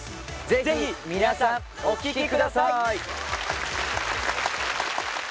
ぜひみなさんお聴きください